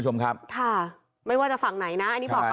ไม่ว่าจะฝังไหนนะ